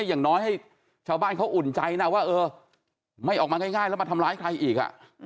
อย่างน้อยให้ชาวบ้านเขาอุ่นใจนะว่าเออไม่ออกมาง่ายแล้วมาทำร้ายใครอีก